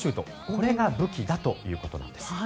これが武器だということです。